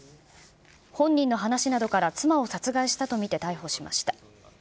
本人の話などから、妻を殺害したと見て逮捕しました。